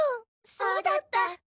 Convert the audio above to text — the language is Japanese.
そうだった。